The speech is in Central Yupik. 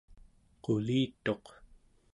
qulituq